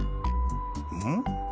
うん？